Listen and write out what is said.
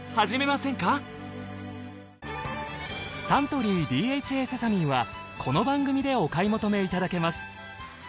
サントリーＤＨＡセサミンはこの番組でお買い求めいただけます。